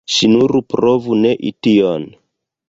Ŝi nur provu nei tion!